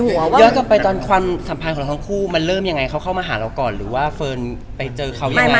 ย้อนกลับไปตอนความสัมพันธ์ของทั้งคู่มันเริ่มยังไงเขาเข้ามาหาเราก่อนหรือว่าเฟิร์นไปเจอเขายังไง